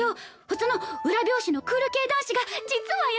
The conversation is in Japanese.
その裏表紙のクール系男子が実は優しくて。